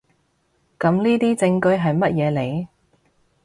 噉呢啲證據喺乜嘢嚟？